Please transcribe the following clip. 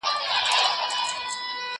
او چي غټ سي په ټولۍ کي د سیالانو